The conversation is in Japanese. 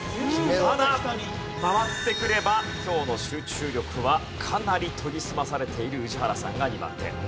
ただ回ってくれば今日の集中力はかなり研ぎ澄まされている宇治原さんが２番手。